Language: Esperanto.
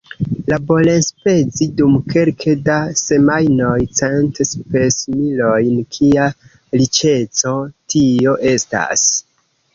Laborenspezi dum kelke da semajnoj cent spesmilojn kia riĉeco tio estas!